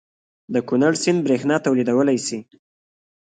د کنړ سیند بریښنا تولیدولی شي؟